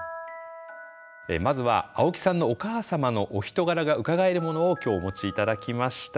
まずは青木さんのお母様のお人柄がうかがえるものを今日お持ち頂きました。